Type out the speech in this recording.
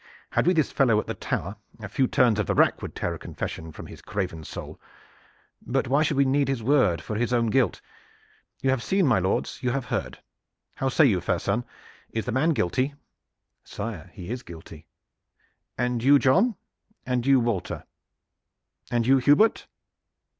"Had we this fellow at the Tower, a few turns of the rack would tear a confession from his craven soul. But why should we need his word for his own guilt? You have seen, my lords, you have heard! How say you, fair son? Is the man guilty?" "Sire, he is guilty." "And you, John? And you, Walter? And you, Hubert?